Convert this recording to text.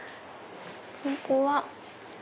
ここは。